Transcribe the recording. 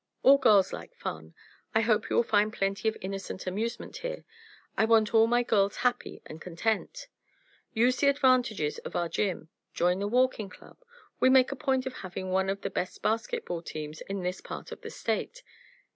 All girls like fun; I hope you will find plenty of innocent amusement here. I want all my girls happy and content. Use the advantages of our gym; join the walking club; we make a point of having one of the best basketball teams in this part of the State.